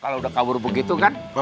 kalau udah kabur begitu kan